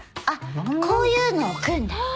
あっこういうの置くんだ。